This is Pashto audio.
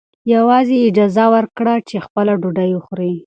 یوازې یې اجازه ورکړه چې خپله ډوډۍ وخوري.